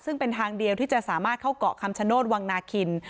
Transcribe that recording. ซึ่งเป็นทางเดียวที่จะสามารถเข้าเกาะคำชโนธวังนาคิน